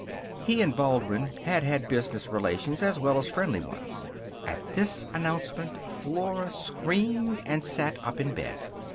He and Baldwin had had business relations as well as friendly ones. At this announcement Flora screamed and sat up in bed.